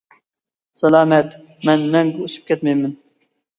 سالامەت : مەن مەڭگۈ ئۇچۇپ كەتمەيمەن!